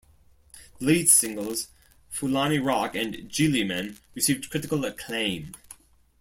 The lead singles, "Fulani Rock" and "Gilli Men", received critical acclaim.